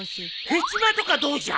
ヘチマとかどうじゃ？